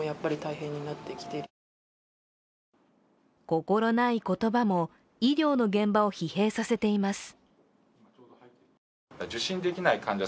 心ない言葉も、医療の現場を疲弊させています。